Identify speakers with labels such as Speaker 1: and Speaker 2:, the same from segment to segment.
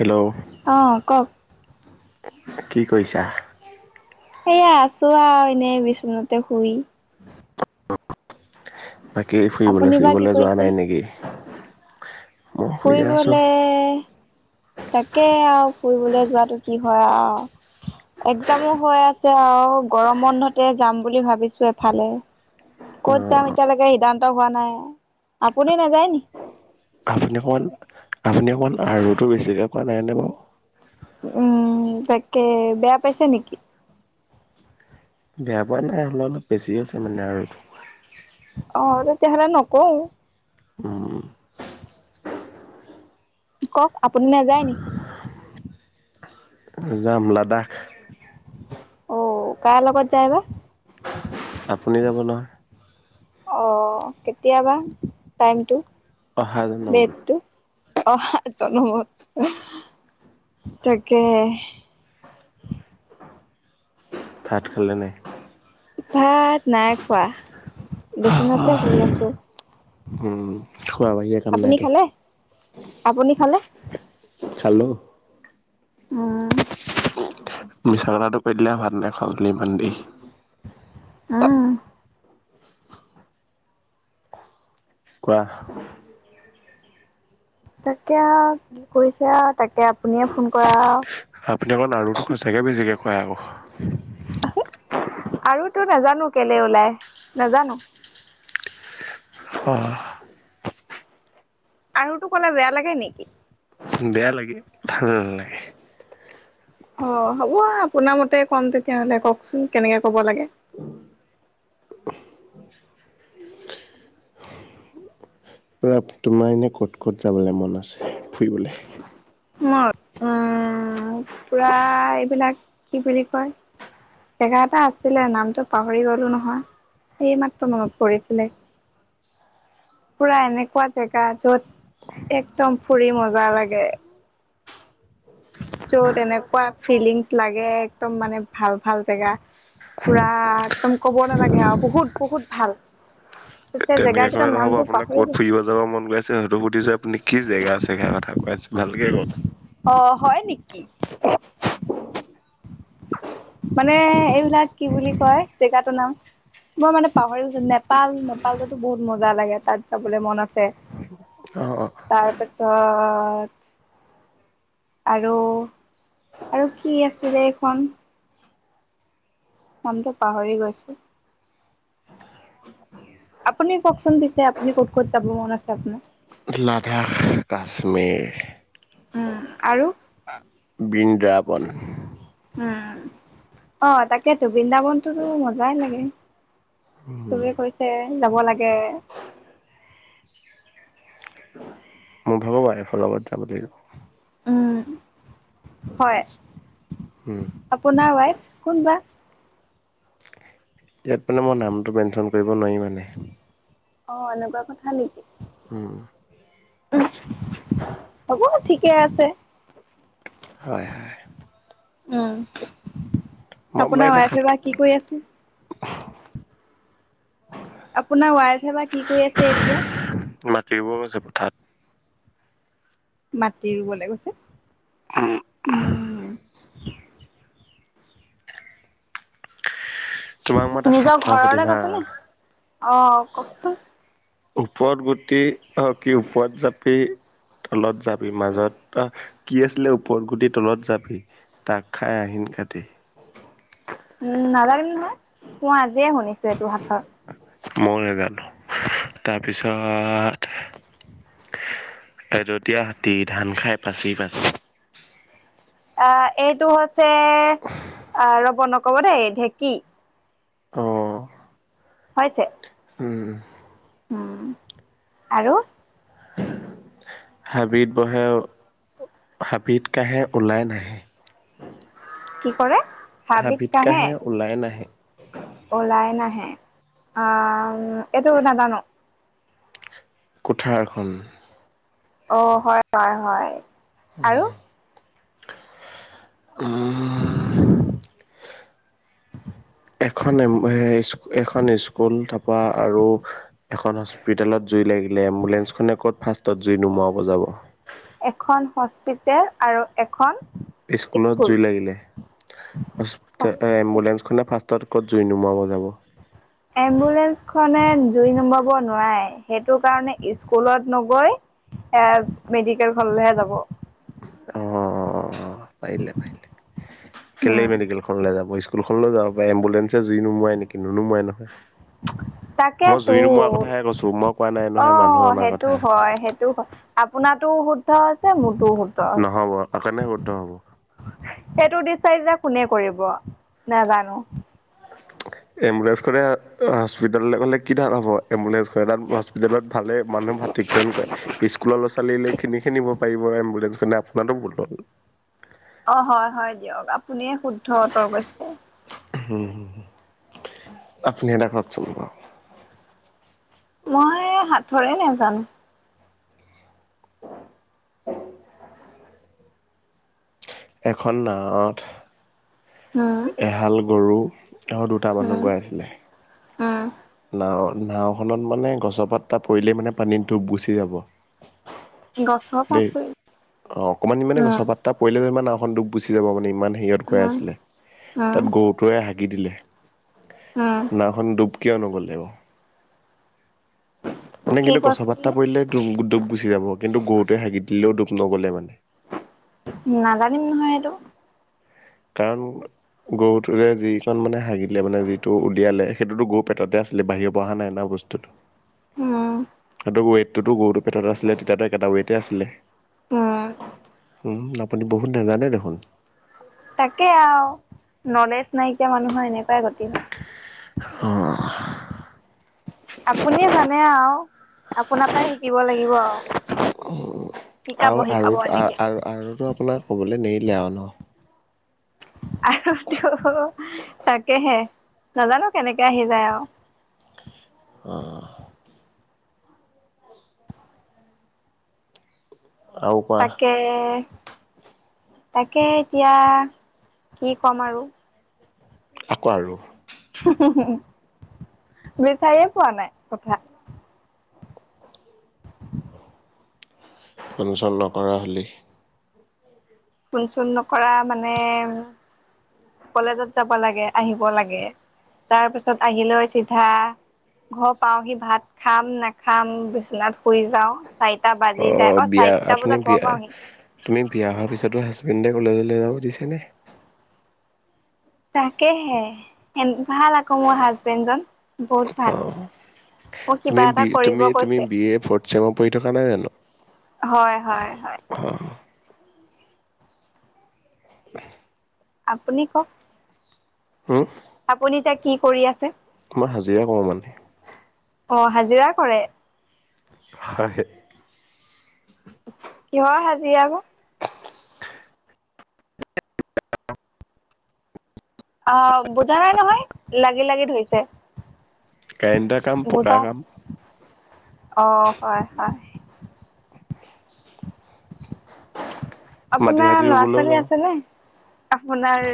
Speaker 1: Hello
Speaker 2: অ কওক।
Speaker 1: কি কৰিছা?
Speaker 2: সেয়া আছো আ এনেই বিচনাতে শুই।
Speaker 1: অ। [unintelligible] বাকী
Speaker 2: আপুনি
Speaker 1: ফুৰিবলৈ
Speaker 2: বা কি
Speaker 1: চুৰিবলৈ যোৱা নাই নেকি? মই শুইয়ে আছো।
Speaker 2: ফুৰিবলৈ তাকে আৰু। ফুৰিবলে যোৱাটো কি হয় আৰু একজামো হৈ আছে আৰু গৰম বন্ধতে যাম বুলি ভাবিছোঁ এফালে। ক'ত যাম এতিয়ালৈকে সিদ্ধান্ত হোৱা নাই আপুনি নাযায় নি।
Speaker 1: আপুনি অকণমান আপুনি অকণমান আৰু টো বেছিকৈ কোৱা নাইনে বাৰু।
Speaker 2: উম তাকে বেয়া পাইছা নেকি।
Speaker 1: বেয়া পোৱা নাই অলপ অলপ বেছি হৈছে মানে আৰু।
Speaker 2: অ তেতিয়াহলে নকওঁ।
Speaker 1: উম।
Speaker 2: কওক আপুনি নাযায় নি।
Speaker 1: যাম লাডাখ।
Speaker 2: অঁ কাৰ লগত যাই বা।
Speaker 1: আপুনি যাব নহয়।
Speaker 2: অ কেতিয়াবা টাইমটো।
Speaker 1: অহা জনমত।
Speaker 2: ডেটটো? অহা জনমত তাকে।
Speaker 1: ভাত খালে নাই।
Speaker 2: ভাত। নাই খোৱা বিচনাতে শুই আছোঁ
Speaker 1: উম, খোৱা বাহিৰে কাম
Speaker 2: আপুনি
Speaker 1: নাইতো।
Speaker 2: খালে আপুনি খালে।
Speaker 1: খালো।
Speaker 2: ওম।
Speaker 1: মিছা কথাটো কয় দিলা ভাত নেখাওঁ বুলি ইমান দেৰি।
Speaker 2: ওম।
Speaker 1: কোৱা।
Speaker 2: তাকে কি কৰিছা তাকে আপুনিয়ে ফোন কৰা।
Speaker 1: আপুনি অকন আৰু টো সচাকে বেছিকে। কোৱা আৰু।
Speaker 2: আৰু তো নাজানো কেলে ওলাই নাজানো।
Speaker 1: অঁ।
Speaker 2: আৰু তো ক'লে বেয়া লাগে নেকি।
Speaker 1: বেয়া লাগে ভাল নালাগে।
Speaker 2: অ হ'ব আপোনাৰ মতে ক'ম তেতিয়াহ'লে কওঁকচোন কেনেকে ক'ব লাগে।
Speaker 1: পুৰা তোমাৰ এনে ক'ত ক'ত যাবলৈ মন আছে ফুৰিবলে।
Speaker 2: মোৰ। পুৰা এইবিলাক কি বুলি কয় জেগা এটা আছিলে, নামটো পাহৰি গলোঁ নহয় এইমাত্ৰ মনত পৰিছিলে। পুৰা এনেকুৱা জেগা য'ত একদম ফুৰি মজা লাগে। যত এনেকুৱা ফিলিংছ লাগে একদম মানে ভাল ভাল জেগা পুৰা একদম কব নালাগে আৰু বহুত বহুত ভাল।
Speaker 1: এ
Speaker 2: তেতিয়া জেগা
Speaker 1: তেনেকে
Speaker 2: কেইটাৰ
Speaker 1: কলে নহ'ব
Speaker 2: নামটো
Speaker 1: আপোনাক
Speaker 2: পাহৰি
Speaker 1: ক'ত
Speaker 2: গৈছো
Speaker 1: ফুৰিব যাব মন গৈ আছে। সেইটো সুধিছোঁ আপুনি কি জেগা জেগাৰ কথা কয় আছে সে কথা কৈ আছে। ভালকে কওক।
Speaker 2: অ হয় নেকি। মানে এই। এই বিলাক কি বুলি কয় জেগাটোৰ নাম। মই মানে পাহৰিছো নেপাল নেপালতো বহুত মজা লাগে তাত যাবলৈ মন আছে।
Speaker 1: অহ - অহ [unintelligible]
Speaker 2: [unintelligible] আৰু আৰু কি আছিলে এইখন? নামটো পাহৰি গৈছোঁ। আপুনি ককচোন পিছে আপুনি ক'ত-ক'ত যাব মন আছে আপোনাৰ?
Speaker 1: লাডাখ, কাশ্মীৰ।
Speaker 2: উম, আৰু?
Speaker 1: বৃন্দ্ৰাবন।
Speaker 2: উম, অ', তাকেটো বৃন্দাবনটোতো মজাই লাগে,
Speaker 1: উম,
Speaker 2: চবে কৈছে যাব লাগে।
Speaker 1: মই ভাবো ৱাইফৰ লগত যাব লাগিব।
Speaker 2: উম, হয়।
Speaker 1: উম,
Speaker 2: আপোনাৰ ৱাইফ? কোনবা?
Speaker 1: ইয়াত মানে মই নামটো মেনচন কৰিব নোৱাৰি মানে।
Speaker 2: অহ, এনেকুৱা কথা নেকি?
Speaker 1: উম,
Speaker 2: [unintelligible] হ'ব ঠিকে আছে
Speaker 1: হয় হয়।
Speaker 2: উম।
Speaker 1: মই আপোনাক
Speaker 2: আপোনাৰ
Speaker 1: এটা সাত
Speaker 2: ৱাইফে বা কি কৰি আছে? আপোনাৰ ৱাইফ এ'বা কি কৰি আছে এতিয়া?
Speaker 1: মাটি ৰোৱ গৈছে পথাৰত।
Speaker 2: মাটি ৰুবলে গৈছে? উম।
Speaker 1: তোমাক মই এটা সাঁথৰ সুধিম হা?
Speaker 2: অহ, ককচোন?
Speaker 1: ওপৰত গুটি, অহ কি ওপৰত জাপিতলত যাবি মাজত এটা কি আছিলে ওপৰত গুটি তলত যাবি, তাক খাই আহিন কাটি।
Speaker 2: উম, নাজানিম নহয়? মই আজিয়ে শুনিছোঁ এইটো সাঁথৰ।
Speaker 1: ময়ো নেজানো। তাৰপিছত এদতীয়া হাতী, ধান খাই পাচি -পাচি?
Speaker 2: অহ, এইটো হৈছে অহ ৰ'ব নকব দেই, ঢেঁকী।
Speaker 1: উম
Speaker 2: হৈছে। উম, আৰু?
Speaker 1: হাবিত বহে, আৰু হাবিত কাঁহে ওলাই নাহে?
Speaker 2: কি কৰে?
Speaker 1: হাবিত কাঁহে ওলাই নাহে।
Speaker 2: ওলাই নাহে, আ-ম এইটো নাজানো।
Speaker 1: কুঠাৰখন।
Speaker 2: অ', হয়-হয়-হয়।
Speaker 1: [unintelligible] [unintelligible] এখন [unintelligible] এখন স্কুল তাৰপা আৰু এখন হস্পিতেলত জুই লাগিলে, এম্বুলেন্ঞ্চ খনে ক'ত ফাষ্টত জুই নুমোৱাব যাব?
Speaker 2: স্পিতেল আৰু এখন
Speaker 1: স্কুলত
Speaker 2: স্কুল
Speaker 1: জুই লাগিলে [unintelligible] এম্বুলেঞ্চখনে ফাষ্ট তত ক'ত জুই নুমোৱাব যাব?
Speaker 2: এম্বুলেঞ্চখনে জুই নমাব নোৱাৰে, সেইটো কাৰণে স্কুলত নগৈ, এ মেডিকেলখনলৈহে যাব।
Speaker 1: অ অ অ অ। পাৰিলে পাৰিলে
Speaker 2: উম
Speaker 1: কেলেই, মেডিকেলখনলে যাব স্কুল। ফ যাব পা এম্বুলেঞ্চে জুই নুমাই নেকি নুনুমাই নহয়। মই
Speaker 2: তাকেতো
Speaker 1: জুই নুমুৱাৰ কথাহে কৈছো মই কোৱা নাই
Speaker 2: অ
Speaker 1: নহয় মানুহ অনাৰ
Speaker 2: সেইটো,
Speaker 1: কথা
Speaker 2: হয় সেইটো হয় আপোনাৰ। শুদ্ধ আছে ম।
Speaker 1: নহ'ব অকাৰণে বদ্ধ হ'ব।
Speaker 2: সেইটো দিচাৰিা কোনে কৰিব নাজানো।
Speaker 1: এম্বুলেন্ঞ্চ কৰে হস্পিতাললৈ গ'লে কি ধাল হ'ব এম্বুলেঞ্চ। হস্পিতেলত ভালে মানুহ ট্ৰিটমেন্ট কৰে স্কুলৰ। চালিলে কিনি খে নিব পাৰিব এম্বুলেন্ঞ্চ খনে আপোনাৰো বতল।
Speaker 2: অ হয় হয় দিয়ক আপুনিয়ে শুদ্ধ উতৰ কৈছে।
Speaker 1: হম, আপুনি এটা কওকচোন বাৰু।
Speaker 2: মই সথৰে নোজানো।
Speaker 1: এখন নাৱত।
Speaker 2: উম
Speaker 1: এহাল গৰু। আৰু দুটা
Speaker 2: উম
Speaker 1: মানুহ গৈ আছিলে।
Speaker 2: উম।
Speaker 1: নাও নাওখনত মানে গছপাত এটা পৰিলেই মানে পানীটো গুচি যাব।
Speaker 2: গছৰ পাত
Speaker 1: দেই,
Speaker 2: পৰি
Speaker 1: অ অকমান মানে
Speaker 2: উম
Speaker 1: গছপাতটা পৰিলে যে ইমান ন। সখ গুচি যাব মানে ইমান। হেৰিত গৈ
Speaker 2: উম
Speaker 1: আছিলে
Speaker 2: উম
Speaker 1: তাত গৰুটোৱে। ভাকি দিলে।
Speaker 2: উম
Speaker 1: নাখন দুব। কিয় নগ'লেব। নাই
Speaker 2: কি
Speaker 1: কিন্তু গছপাত্তা
Speaker 2: কৈছিলে
Speaker 1: পৰিলে দুুখ গুচি যাব কিন্তু গৰুটোৱে হাগি দিলেও দুখ। নগ'লে মানে।
Speaker 2: নাজানিম নহয় এইটো।
Speaker 1: কাৰণ গৰুটোতে যিণ মানে হাগিলে মানে যিটো উলিয়ালে সেইটোতো গৰু পেটতে আছিলে বাহিৰ পৰা অহা নাই নহ বস্তুটো।
Speaker 2: হম।
Speaker 1: সতো গৰুটো পেটত আছিলে তেতিয়াতো এটা আছিলে।
Speaker 2: ত।
Speaker 1: উ আপুনি বহুত নাজানে দেখোন।
Speaker 2: তাকে আৰু নলেজ নাইকিয় মানুহৰ এনেকুৱাই গতি হয়।
Speaker 1: অ।
Speaker 2: আপুনিয়ে জানে আৰু আপোনাৰ, পৰা শ।
Speaker 1: উ
Speaker 2: শিকাব
Speaker 1: আৰু
Speaker 2: শিকাব
Speaker 1: আৰু
Speaker 2: এনেকে।
Speaker 1: আৰুো আপোনাৰ ক'বলৈ নে। ন।
Speaker 2: আৰুটো তাকেহে নাজানো কেনেকে আহি যায় আও
Speaker 1: অ আৰু কোৱা
Speaker 2: তাকে তাকে এতিয়া কি কম আৰু
Speaker 1: আকৌ আৰু
Speaker 2: বিচাৰিয়ে পোৱা নাই কথা
Speaker 1: ফন চন নকৰা হলি।
Speaker 2: ফুণ চণ নকৰা মানে কলেজত যাব লাগে। আহিব লাগে তাৰ পিছত আহিলৈ চিধা ঘৰ পাওঁহি ভাত খাম নাখাম বিচনাত শুই যাওঁ। চাৰিটা
Speaker 1: অ
Speaker 2: বাজি যায়
Speaker 1: বিয়া
Speaker 2: চাৰিটা
Speaker 1: আপুনি
Speaker 2: বজাত ঘৰ
Speaker 1: বিয়া
Speaker 2: পাওঁহি
Speaker 1: তুমি বিয়া হোৱা পিছতো হাছ বেন্দে কলেজলে যাব দিছে নে?
Speaker 2: তাকেহে ভাল আকৌ মোৰ হাজবেণ্ডজন। বহুত
Speaker 1: অ
Speaker 2: ভাল মোক কিবা এটা কৰিব
Speaker 1: তুমি
Speaker 2: কৈছে
Speaker 1: বি এ ফৰ্টচেমত পঢ়ি থকা নাই জানো
Speaker 2: হয় হয় হয়
Speaker 1: অ [unintelligible]
Speaker 2: আপুনি কওক
Speaker 1: হম
Speaker 2: আপুনি এতিয়া কি কৰি আছে?
Speaker 1: মই হাজিৰা কৰো মানে।
Speaker 2: অ হাজিৰা কৰে।
Speaker 1: হয়
Speaker 2: কিহৰ হাজিৰা আকৌ? আহ বুজা নাই নহয় লাগি লাগি ধৰিছে।
Speaker 1: কাৰেণ্টাৰ কাম পকা
Speaker 2: বুজা
Speaker 1: কাম।
Speaker 2: অ হয় হয়
Speaker 1: মাটি
Speaker 2: আপোনাৰ
Speaker 1: চাতি
Speaker 2: ল'ৰা
Speaker 1: ৰুবলৈও
Speaker 2: ছোৱালী
Speaker 1: যাওঁ
Speaker 2: আছে নে? আপোনাৰ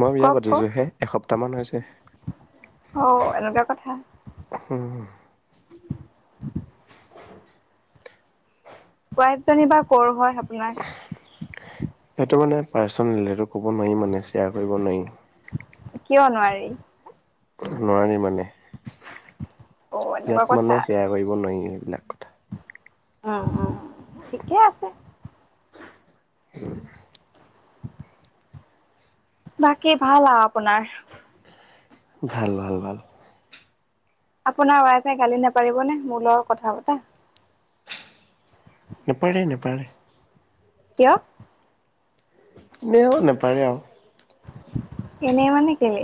Speaker 1: মই বিয়া
Speaker 2: কওক
Speaker 1: পাতিছো
Speaker 2: কওক
Speaker 1: হে এসপ্ টামান হৈছে।
Speaker 2: অ এনেকুৱা কথা।
Speaker 1: হম
Speaker 2: [inaudible] ৱাইফপজনী বা কৰ হয় আপোনাৰ?
Speaker 1: সেইটো মানে পাৰ্চনেল সেইটো কব নোৱাৰিম মানে শ্বেয়াৰ কৰিব নোৱাৰি।
Speaker 2: কিয় নোৱাৰি?
Speaker 1: নোৱাৰাৰি মানে।
Speaker 2: অ এনেকুৱা
Speaker 1: ইয়াত
Speaker 2: কথা
Speaker 1: মানে চেয়াৰ কৰিব নোৱাৰি। বিনা কথা
Speaker 2: উম উম ঠিকে আছে। বাকী ভাল আও আপোনাৰ?
Speaker 1: ভাল ভাল ভাল
Speaker 2: আপোনাৰ ৱাইফে গালি নোপাৰিবনে মোৰ লগৰ কথা পতা
Speaker 1: নেপাৰে নেপাৰে।
Speaker 2: কিয়?
Speaker 1: ইনেও নাপাৰে আও।
Speaker 2: এনেই মানে কেলে?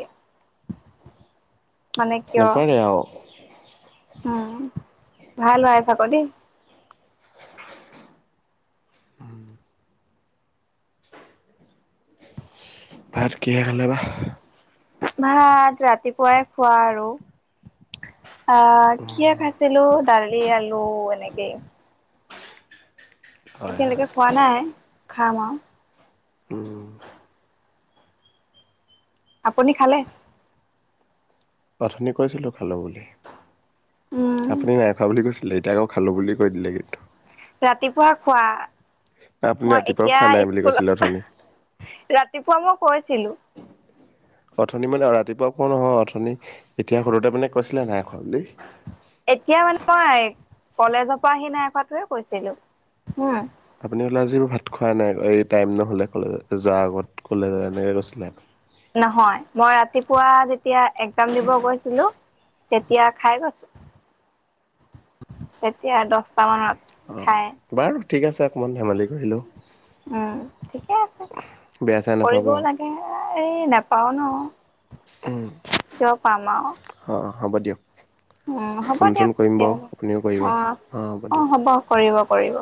Speaker 2: মানে কিয়
Speaker 1: নেপাৰেআও।
Speaker 2: উম ভাল ওৱাইফ আক দেই।
Speaker 1: ভাত কিহে খালে বা?
Speaker 2: ভাত ৰাতিপুৱাই খোৱা আৰু আহ কিহে খাইছিলো দালি, আলু এনেকে।
Speaker 1: হয়
Speaker 2: এতিয়া
Speaker 1: হয়
Speaker 2: লেকে খোৱা নাই। [unintelligible] খাম আও।
Speaker 1: উম
Speaker 2: আপুনি খালে?
Speaker 1: অথনি কৈছিলো খালো বুলি।
Speaker 2: উম,
Speaker 1: আপুনি নাইখোৱা বুলি কৈছে, দেউতা খালো বুলি কৈ দিলে কিন্তু।
Speaker 2: ৰাতিপুৱা খোৱা।
Speaker 1: আপুনি
Speaker 2: মই
Speaker 1: ৰাতিপুৱাও খোৱা নাই
Speaker 2: এতিয়া
Speaker 1: বুলি কৈছিলে
Speaker 2: স্কুলত
Speaker 1: অথনি।
Speaker 2: ৰাতিপুৱা মই কৈছিলো।
Speaker 1: অথনি মানে ৰাতিপুৱা কোৱা নহয়, অথনি এতিয়া সুধোতে মানে কৈছিলে নাই নাই খোৱা বুলি।
Speaker 2: এতিয়া মানে মই, কলেজৰ পৰা আহি নাই খটোৱে কৈছিলো উম।
Speaker 1: আপুনি কলে আজিও ভাত খোৱা নাই এই টাইম নহ'লে কলেজ যোৱাৰ আগত কলেজত এনেকে কৈছিলে।
Speaker 2: নহয় মই ৰাতিপুৱা যেতিয়া। একজাম দিব গৈছিলো, তেতিয়া খাই গছো তেতিয়া দহ।
Speaker 1: অ বাৰু ঠিক আছে। অকণমান ধেমালি কৰিলোঁ।
Speaker 2: উম। ঠিকে আছে
Speaker 1: বেয়া চেয়া নাপাব।
Speaker 2: কৰিবও
Speaker 1: অ',
Speaker 2: লাগে। এই নাপাও ন। কিয় পাম আৰু।
Speaker 1: হ'ব দিয়ক।
Speaker 2: উম হ'ব
Speaker 1: ফোন চোন
Speaker 2: দিয়ক
Speaker 1: কৰিম বাৰু
Speaker 2: তেতিয়াহলে
Speaker 1: আপুনিও কৰিব
Speaker 2: অ অ
Speaker 1: দিয়ক।
Speaker 2: হ'ব কৰিব। কৰিব।